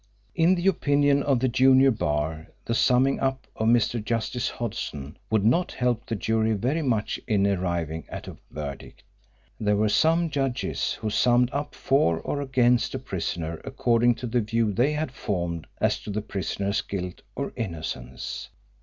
In the opinion of the junior bar the summing up of Mr. Justice Hodson would not help the jury very much in arriving at a verdict. There were some judges who summed up for or against a prisoner according to the view they had formed as to the prisoner's guilt or innocence.